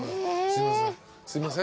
すいません。